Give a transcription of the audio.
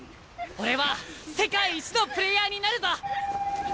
俺は世界一のプレーヤーになるぞ！